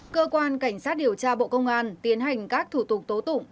cơ quan cảnh sát điều tra bộ công an tiến hành các thủ tục tố tụng